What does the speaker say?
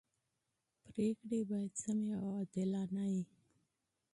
پریکړي باید سمي او عادلانه يي.